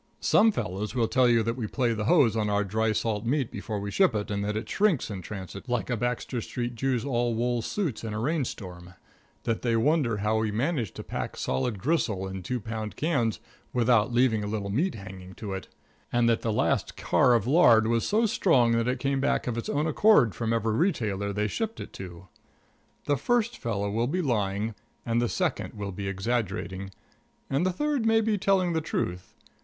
Some fellows will tell you that we play the hose on our dry salt meat before we ship it, and that it shrinks in transit like a Baxter Street Jew's all wool suits in a rainstorm; that they wonder how we manage to pack solid gristle in two pound cans without leaving a little meat hanging to it; and that the last car of lard was so strong that it came back of its own accord from every retailer they shipped it to. The first fellow will be lying, and the second will be exaggerating, and the third may be telling the truth.